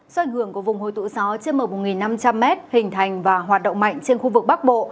do ảnh hưởng của vùng hồi tụ gió chiêm mở một năm trăm linh m hình thành và hoạt động mạnh trên khu vực bắc bộ